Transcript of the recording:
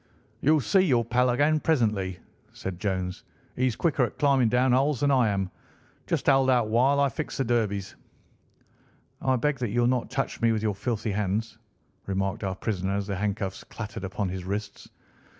"You'll see your pal again presently," said Jones. "He's quicker at climbing down holes than I am. Just hold out while I fix the derbies." "I beg that you will not touch me with your filthy hands," remarked our prisoner as the handcuffs clattered upon his wrists.